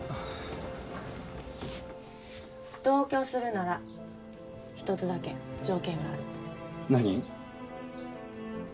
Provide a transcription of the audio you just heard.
同居するなら一つだけ条件がある何？